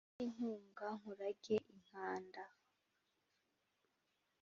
untere inkunga nkurage inkanda